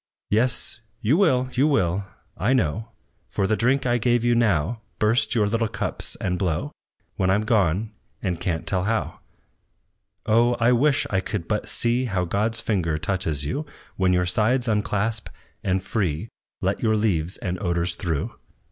"Yes, you will, you will, I know, For the drink I give you now, Burst your little cups, and blow, When I'm gone, and can't tell how! "Oh! I wish I could but see How God's finger touches you, When your sides unclasp, and free, Let your leaves and odors through.